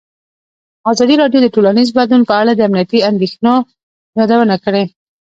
ازادي راډیو د ټولنیز بدلون په اړه د امنیتي اندېښنو یادونه کړې.